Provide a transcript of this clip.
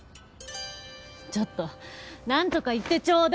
ちょっと何とか言ってちょうだい！